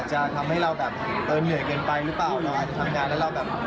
จะไปดรไหมครับ